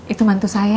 itu mantu saya